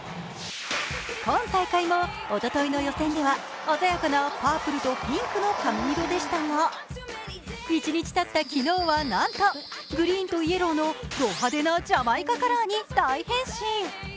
今大会も、おとといの予選では鮮やかなパープルとピンクの髪型でしたが１日たった昨日はなんとグリーンとイエローのド派手なジャマイカカラーに大変身。